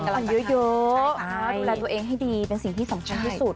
คนเยอะดูแลตัวเองให้ดีเป็นสิ่งที่สำคัญที่สุด